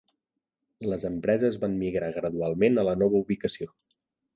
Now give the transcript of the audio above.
Les empreses van migrar gradualment a la nova ubicació.